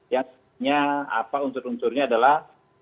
yang sebenarnya apa unsur unsurnya adalah